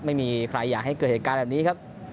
ไม่มีใครอยากให้เกิดเหตุการณ์แบบนี้ครับ